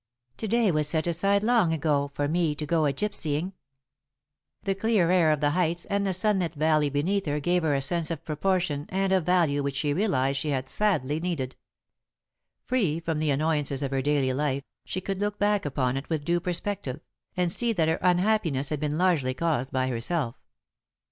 "To day was set aside, long ago, for me to go a gypsying." The clear air of the heights and the sunlit valley beneath her gave her a sense of proportion and of value which she realised she had sadly needed. Free from the annoyances of her daily life, she could look back upon it with due perspective, and see that her unhappiness had been largely caused by herself.